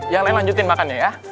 yang lain lanjutin makan ya ya